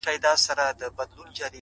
مثبت انسان د ستونزو تر شا رڼا ویني.!